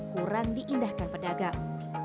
kurang diindahkan pedagang